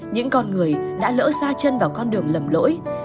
những con người đã lỡ xa chân vào con đường lầm lỗi